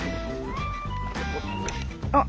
あっ！